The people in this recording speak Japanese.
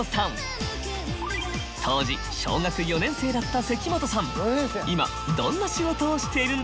当時小学４年生だった關本さん。